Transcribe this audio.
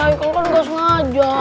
haikal kan ga sengaja